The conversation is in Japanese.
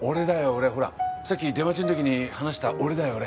俺ほらさっき出待ちんときに話した俺だよ俺。